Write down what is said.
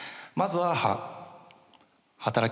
まずは「は」